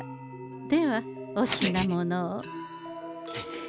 ではお品物を。